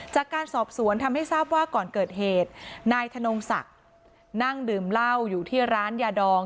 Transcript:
จากการสอบสวนทำให้ทราบว่าก่อนเกิดเหตุนายธนงศักดิ์นั่งดื่มเหล้าอยู่ที่ร้านยาดอง